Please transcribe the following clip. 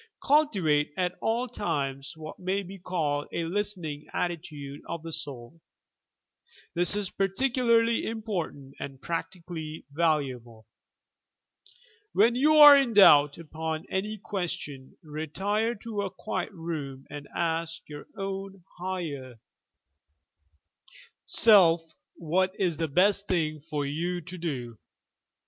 Cultivate at all times what may be called a listening attitude of the soul. This is particularly important and practically valuable. When you are in doubt upon any question, retire to a quiet room and ask your own higher self what is the best thing for you to do.